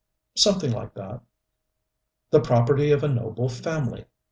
"Something like that " "The property of a noble family!